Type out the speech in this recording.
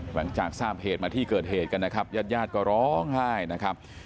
หลังจากทราบเหตุมาที่เกิดเหตุกันนะครับญาติญาติก็ร้องไห้นะครับ